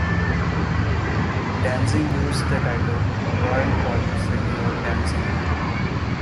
Danzig used the title "Royal Polish City of Danzig".